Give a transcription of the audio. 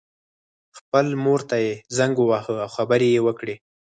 خپلې مور ته یې زنګ وواهه او خبرې یې وکړې